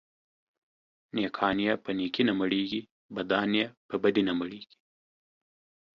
نيکان يې په نيکي نه مړېږي ، بدان يې په بدي نه مړېږي.